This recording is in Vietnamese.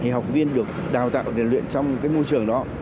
thì học viên được đào tạo rèn luyện trong môi trường đó